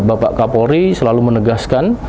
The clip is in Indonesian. bapak kapolri selalu menegaskan